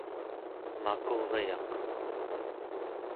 makuryaq